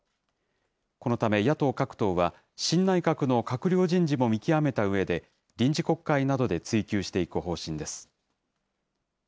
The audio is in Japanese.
このため、野党各党は新内閣の閣僚人事も見極めたうえで、臨時国会などで追及していく方針です。